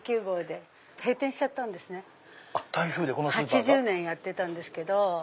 ８０年やってたんですけど。